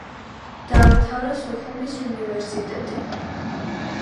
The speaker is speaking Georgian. დაამთავრა სოხუმის უნივერსიტეტი.